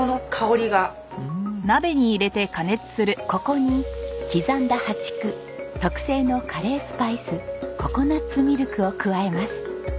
ここに刻んだ淡竹特製のカレースパイスココナツミルクを加えます。